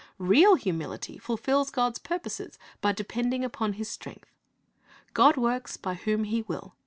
Real humility fulfils God's purpo.ses b\" depending upon His strength. God works by whom He will.